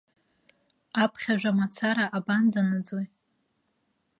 Аԥхьажәа мацара абанӡанаӡои.